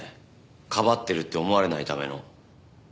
かばってるって思われないための。